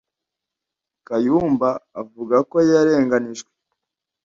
kayumba avuga ko yarenganijwe